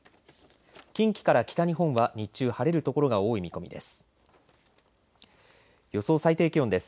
近畿から北日本は日中晴れる所が多い見込みです。